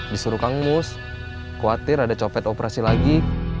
disuruh kang mus khawatir ada copet operasi lagi